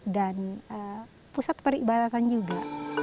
dan pusat peribadakan juga